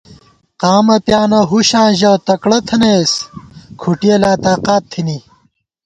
قامہ پیانہ ہُشاں ژَہ تکڑہ تھنَئیس کھُٹِیَہ لا تاقات تھنی